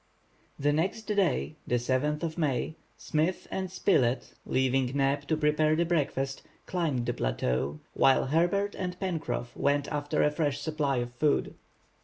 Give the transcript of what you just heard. The next day, the 7th of May, Smith and Spilett, leaving Neb to prepare the breakfast, climbed the plateau, while Herbert and Pencroff went after a fresh supply of wood.